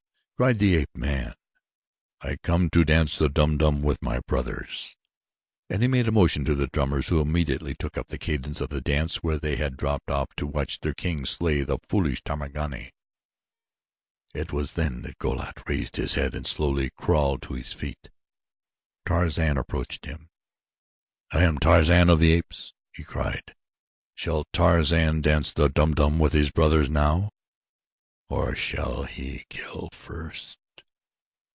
cried the ape man. "I come to dance the Dum Dum with my brothers," and he made a motion to the drummers, who immediately took up the cadence of the dance where they had dropped it to watch their king slay the foolish Tarmangani. It was then that Go lat raised his head and slowly crawled to his feet. Tarzan approached him. "I am Tarzan of the Apes," he cried. "Shall Tarzan dance the Dum Dum with his brothers now, or shall he kill first?"